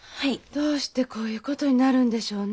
どうしてこういうことになるんでしょうね。